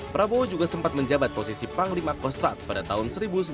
prabowo juga sempat menjabat posisi panglima kostrat pada tahun seribu sembilan ratus sembilan puluh